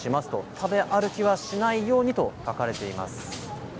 食べ歩きはしないようにと書かれています。